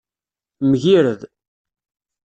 Mgirred.